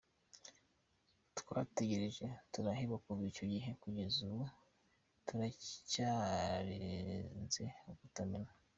Twarategereje turaheba kuva icyo gihe kugeza ubu turacyarinze umutamenwa.